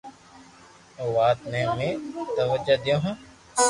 ائرو وات نيي امي توجِ ديو ھون